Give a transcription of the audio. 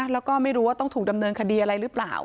แล้วก็ไม่รู้ว่าต้องถูกดำเนินคดีอะไรหรือเปล่า